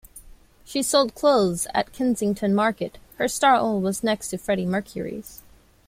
She sold clothes at Kensington Market; her stall was next to Freddie Mercury's.